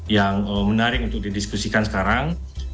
yang menarik untuk didiskusikan sekarang